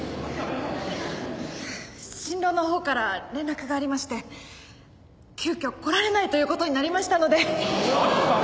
新郎のほうから連絡がありまして急きょ来られないという事になりましたので。